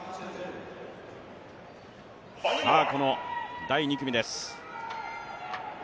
この第２組です。